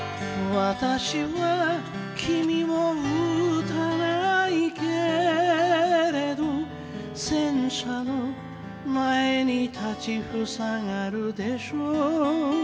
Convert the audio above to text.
「わたしは君を撃たないけれど戦車の前に立ち塞がるでしょう」